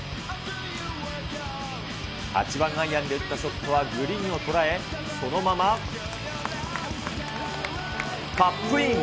８番アイアンで打ったショットはグリーンを捉え、そのまま、カップイン。